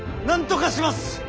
なんとかします！